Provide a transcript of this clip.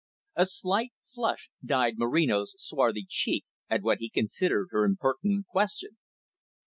A slight flush dyed Moreno's swarthy cheek at what he considered her impertinent question.